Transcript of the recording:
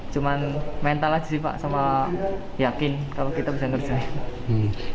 cuma mental aja sih pak sama yakin kalau kita bisa ngerjain